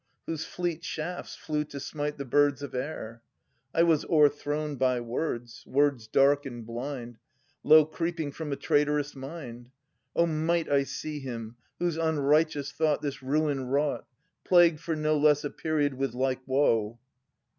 Whose fleet shafts flew to smite the birds of air? , I was o'erthrown by words, words dark and blind. Low creeping from a traitorous mind! O might I see him, whose unrighteous thought This ruin wrought. Plagued for no less a period with like woe!